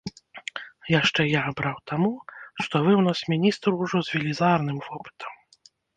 Яшчэ я абраў таму, што вы ў нас міністр ужо з велізарным вопытам.